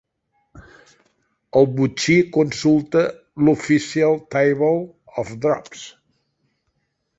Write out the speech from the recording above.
El botxí consulta l'Official Table of Drops.